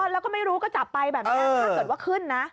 แล้วก็ไม่รู้ก็จับไปแบบนี้นะถ้าเกิดว่าขึ้นนะ